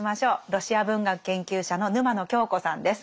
ロシア文学研究者の沼野恭子さんです。